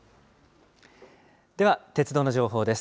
では鉄道の情報です。